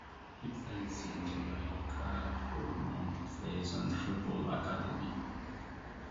He plays in Jamaica for Mount Pleasant Football Academy.